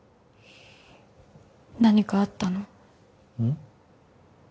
何かあったの？